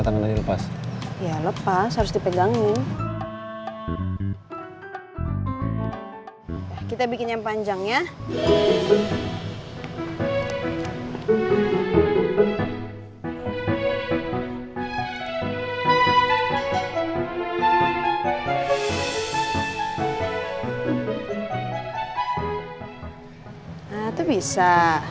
nah itu bisa